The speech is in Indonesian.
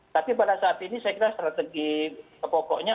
tapi pada saat ini saya kira strategi pokoknya